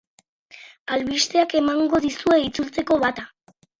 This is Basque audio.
Albisteak emango dizue itzultzeko data.